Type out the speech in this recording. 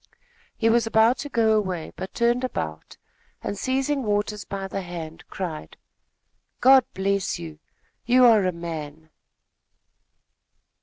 He was about to go away, but turned about and, seizing Waters by the hand, cried: "God bless you! You are a man!"